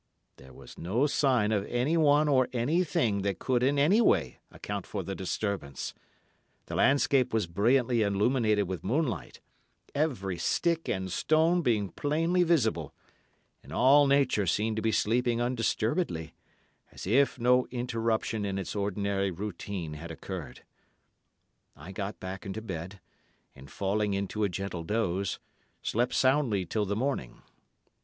There was no sign of anyone or anything that could in any way account for the disturbance—the landscape was brilliantly illuminated with moonlight, every stick and stone being plainly visible, and all nature seemed to be sleeping undisturbedly, as if no interruption in its ordinary routine had occurred. I got back into bed, and, falling into a gentle doze, slept soundly till the morning.